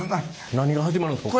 何が始まるんですか？